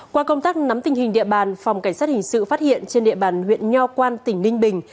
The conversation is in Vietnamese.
qua công tác nắm tình hình địa bàn phòng cảnh sát hình sự phát hiện trên địa bàn huyện nho quan tỉnh ninh bình